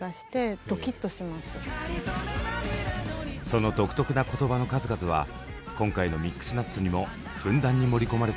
その独特な言葉の数々は今回の「ミックスナッツ」にもふんだんに盛り込まれています。